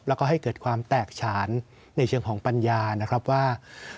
แล้วก็ให้เกิดความแตกฉานในเชิงของปัญญานะครับว่า